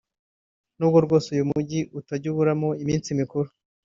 n’ubwo rwose uyu mujyi utajya uburamo iminsi mikuru